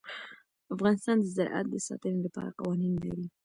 افغانستان د زراعت د ساتنې لپاره قوانین لري.